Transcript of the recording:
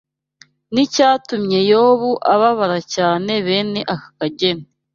n’icyatumye Yobu ababara cyane bene aka kageni